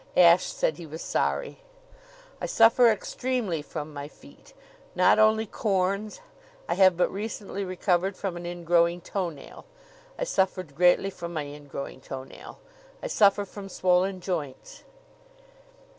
Ashe said he was sorry. "I suffer extremely from my feet not only corns. I have but recently recovered from an ingrowing toenail. I suffered greatly from my ingrowing toenail. I suffer from swollen joints."